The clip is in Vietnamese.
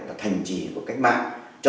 và thành trì của cách mạng